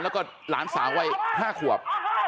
แล้วก็หลานสาววัย๕ขวบ